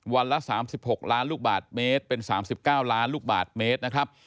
ละ๓๖ล้านลูกบาทเมตรเป็น๓๙ล้านลูกบาทเมตรนะครับ